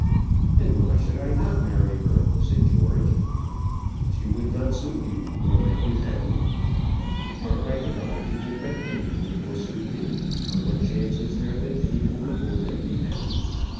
"And why should I not marry her?" said George. "She would not suit you, nor make you happy." "What right have I to think that any woman will suit me? or what chance is there that any woman will make me happy?